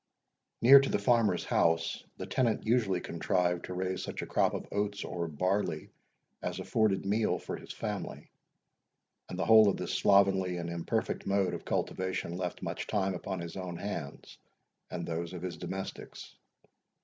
Near to the farmer's house, the tenant usually contrived to raise such a crop of oats or barley, as afforded meal for his family; and the whole of this slovenly and imperfect mode of cultivation left much time upon his own hands, and those of his domestics.